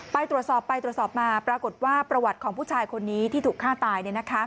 ไปตรวจสอบไปตรวจสอบมาปรากฏว่าประวัติของผู้ชายคนนี้ที่ถูกฆ่าตาย